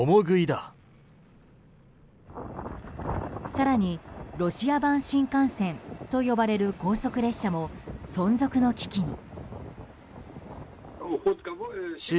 更に、ロシア版新幹線と呼ばれる高速列車も存続の危機に。